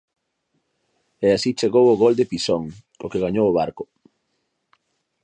E así chegou o gol de Pisón, co que gañou o Barco.